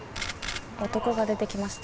男が出てきました。